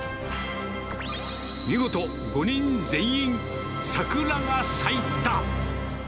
見事、５人全員、桜が咲いた。